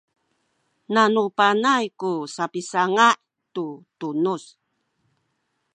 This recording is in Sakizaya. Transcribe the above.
nanu panay ku sapisanga’ tu tunuz